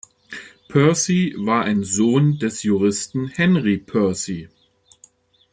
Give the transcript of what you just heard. Percy war ein Sohn des Juristen Henry Percy.